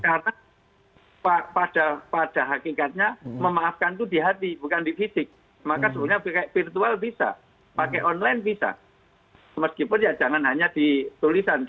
karena pada hakikatnya memaafkan itu di hati bukan di fisik